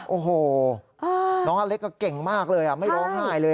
โอ้โหน้องอเล็กก็เก่งมากเลยไม่ร้องไห้เลย